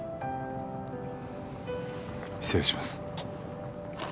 失礼します。